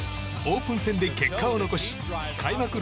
オープン戦で結果を残し開幕